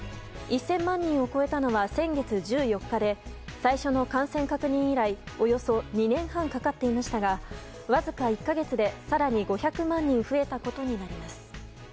１０００万人を超えたのは先月１４日で最初の感染確認以来およそ２年半かかっていましたがわずか１か月で更に５００万人増えたことになります。